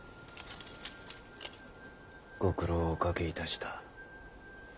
ご苦労をおかけいたした。